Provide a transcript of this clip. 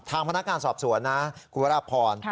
ทางพนักงานสอบสวนกุกราภพร